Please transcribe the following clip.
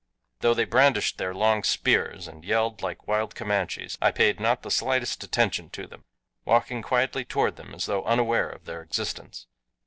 Though they brandished their long spears and yelled like wild Comanches I paid not the slightest attention to them, walking quietly toward them as though unaware of their existence.